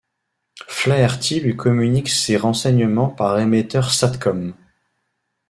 Flaherty lui communique ses renseignements par émetteur Sat Com.